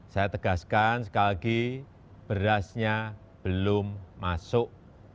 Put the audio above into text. saya tegaskan sekali lagi berasnya belum masuk